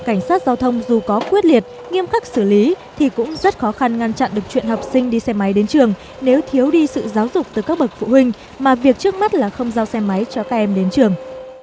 cảnh sát giao thông dù có quyết liệt nghiêm khắc xử lý thì cũng rất khó khăn ngăn chặn được chuyện học sinh đi xe máy đến trường nếu thiếu đi sự giáo dục từ các bậc phụ huynh mà việc trước mắt là không giao xe máy cho các em đến trường